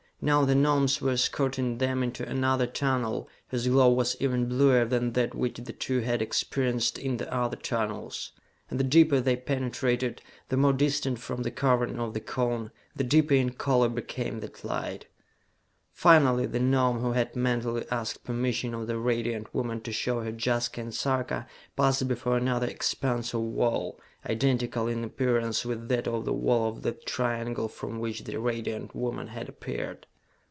Now the Gnomes were escorting them into another tunnel, whose glow was even bluer than that which the two had experienced in the other tunnels. And the deeper they penetrated, the more distant from the cavern of the Cone, the deeper in color became that light. Finally the Gnome who had mentally asked permission of the Radiant Woman to show her Jaska and Sarka passed before another expanse of wall, identical in appearance with that of the wall of the triangle from which the Radiant Woman had appeared.